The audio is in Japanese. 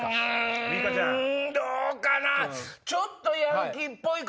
どうかな？